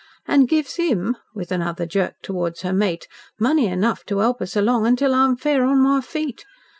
"An' gives 'IM," with another jerk towards her mate, "money enough to 'elp us along till I'm fair on my feet.